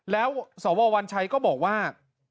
แล้วสววัญชัยก็บอกว่า